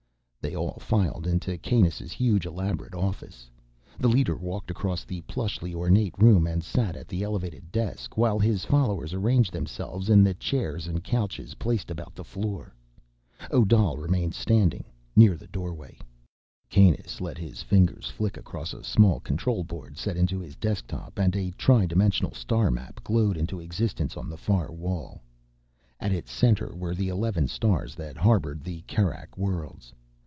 They all filed in to Kanus' huge, elaborate office. The leader walked across the plushly ornate room and sat at the elevated desk, while his followers arranged themselves in the chairs and couches placed about the floor. Odal remained standing, near the doorway. Kanus let his fingers flick across a small control board set into his desktop, and a tri dimensional star map glowed into existence on the far wall. As its center were the eleven stars that harbored the Kerak Worlds.